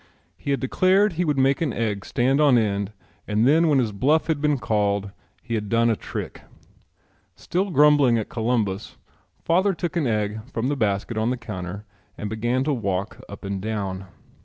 He had declared he would make an egg stand on end and then when his bluff had been called he had done a trick. Still grumbling at Columbus, father took an egg from the basket on the counter and began to walk up and down.